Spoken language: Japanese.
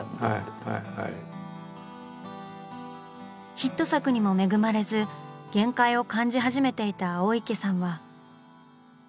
ヒット作にも恵まれず限界を感じ始めていた青池さんは。